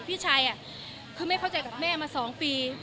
พี่ชายคือไม่เข้าใจกับแม่มา๒ปี